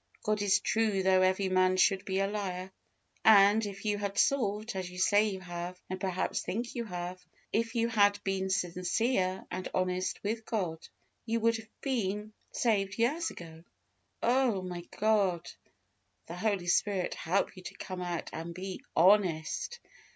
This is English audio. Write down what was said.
God is true though every man should be a liar; and, if you had sought, as you say you have, and perhaps, think you have; if you had been sincere and honest with God, you would have been saved years ago. Oh! may God, the Holy Spirit, help you to come out and be HONEST.